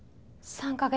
３か月？